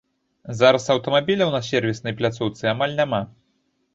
Зараз аўтамабіляў на сервіснай пляцоўцы амаль няма.